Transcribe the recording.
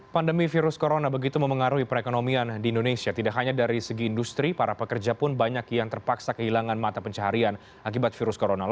perusahaan akan melaksanakan keputusan hubungan kerja atau phk masak